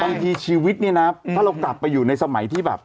บางทีชีวิตเนี่ยนะถ้าเรากลับไปอยู่ในสมัยที่แบบ